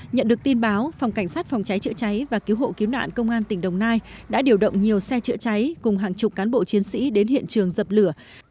nhận được tin báo phòng cảnh sát phòng cháy chữa cháy và cứu hộ cứu nạn công an tỉnh đồng nai đã điều động nhiều xe chữa cháy cùng hàng chục cán bộ chiến sĩ đến hiện trường dập lửa